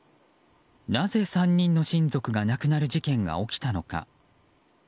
なぜ３人の親族が亡くなる事件が起きたのか。